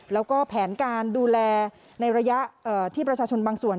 แล้วก็แผนการดูแลในระยะที่ประชาชนบางส่วน